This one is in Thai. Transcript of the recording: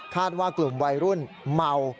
ว่ากลุ่มวัยรุ่นเมา